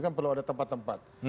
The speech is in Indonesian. kan perlu ada tempat tempat